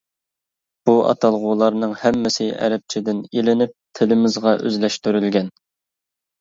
بۇ ئاتالغۇلارنىڭ ھەممىسى ئەرەبچىدىن ئىلىنىپ، تىلىمىزغا ئۆزلەشتۈرۈلگەن.